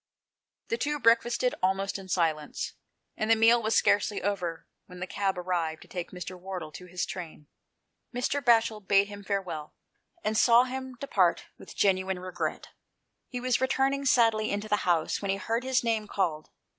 The two breakfasted almost in silence, and the meal was scarcely over when the cab arrived to take Mr. Wardle to his train. Mr. Batchel bade him farewell, and saw him depart with genuine regret ; he was returning sadly into the house when he heard his name called.